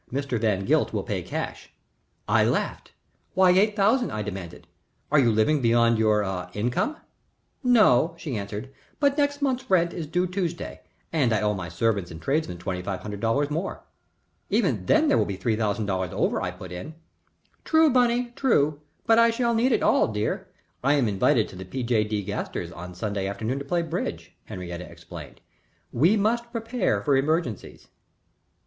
"Mr. Van Gilt will pay cash." I laughed. "Why eight thousand?" I demanded. "Are you living beyond your ah income?" "No," she answered, "but next month's rent is due Tuesday, and I owe my servants and tradesmen twenty five hundred dollars more." "Even then there will be three thousand dollars over," I put in. "True, Bunny, true. But I shall need it all, dear. I am invited to the P. J. D. Gasters on Sunday afternoon to play bridge," Henriette explained. "We must prepare for emergencies."